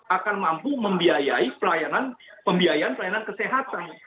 akan mampu membiayai pelayanan kesehatan